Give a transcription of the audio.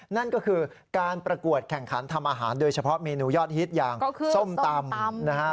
นั่นก็คือการประกวดแข่งขันทำอาหารโดยเฉพาะเมนูยอดฮิตอย่างส้มตำนะฮะ